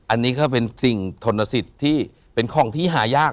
อันนี้ก็เป็นสิ่งทนสิทธิ์ที่เป็นของที่หายาก